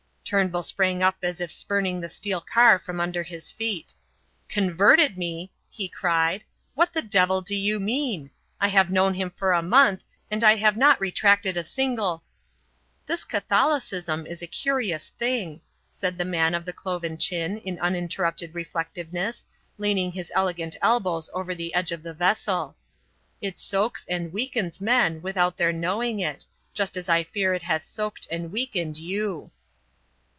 Turnbull sprang up as if spurning the steel car from under his feet. "Converted me!" he cried. "What the devil do you mean? I have known him for a month, and I have not retracted a single " "This Catholicism is a curious thing," said the man of the cloven chin in uninterrupted reflectiveness, leaning his elegant elbows over the edge of the vessel; "it soaks and weakens men without their knowing it, just as I fear it has soaked and weakened you."